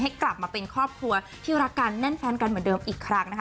กลับมาเป็นครอบครัวที่รักกันแน่นแฟนกันเหมือนเดิมอีกครั้งนะคะ